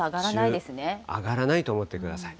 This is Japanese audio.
上がらないと思ってください。